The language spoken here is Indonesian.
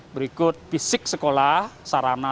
berikut fisik sekolah sarana